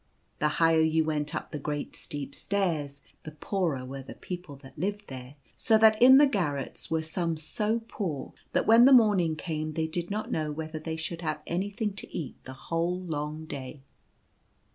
The higher you went up the great steep stairs the poorer were the people that lived there, so that in the garrets were some so poor, that when the morning came they did not know whether they should have any thing to eat the whole long day.